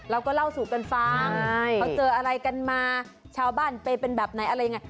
เราก็เล่าสู่กันฟังเขาเจออะไรกันมาชาวบ้านไปเป็นแบบไหนอะไรยังไง